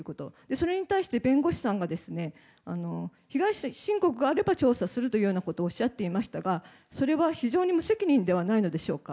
それに対して、弁護士さんが被害者申告があれば調査するということをおっしゃっていましたがそれは非常に無責任ではないのでしょうか。